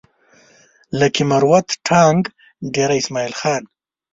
لکي مروت ټانک ډېره اسماعيل خان